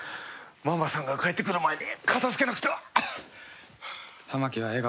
ママさんが帰ってくる前に片付けなくては。